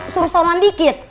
suruh sonoan dikit